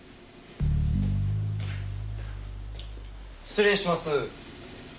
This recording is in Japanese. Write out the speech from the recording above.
失礼します。